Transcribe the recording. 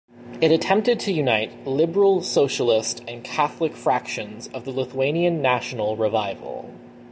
It attempted to unite liberal, socialist, and Catholic fractions of the Lithuanian National Revival.